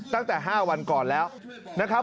ตั้งแต่๕วันก่อนแล้วนะครับ